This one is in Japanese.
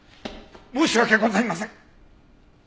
申し訳ございません！